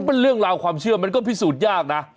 เป็นเรื่องราวความเชื่อมันก็พิสูจน์ยากนะ